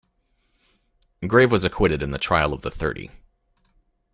Grave was acquitted in the "Trial of the thirty".